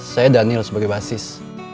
saya daniel sebagai basis